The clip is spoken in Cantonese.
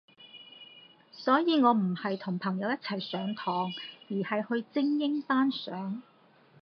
所以我唔係同朋友一齊上堂，而係去精英班上